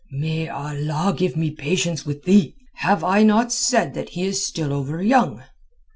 "May Allah give me patience with thee! Have I not said that he is still over young."